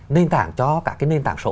nền tảng cho các cái nền tảng số